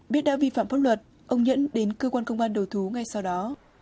biết đã vi phạm pháp luật ông nhẫn đến cơ quan công an đầu thú ngay sau đó